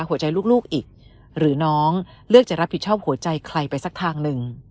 หัวใจลูกอีกหรือน้องเลือกจะรับผิดชอบหัวใจใครไปสักทางหนึ่ง